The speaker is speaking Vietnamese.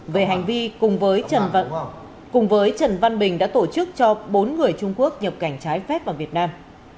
về hành vi cùng với trần văn bình đã tổ chức cho bốn người trung quốc nhập cảnh trái phép vào việt nam